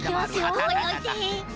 ここにおいて。